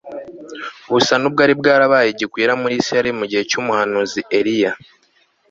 busa nubwari bwarabaye gikwira muri Isirayeli mu gihe cyumuhanuzi Eliya